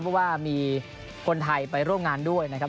เพราะว่ามีคนไทยไปร่วมงานด้วยนะครับ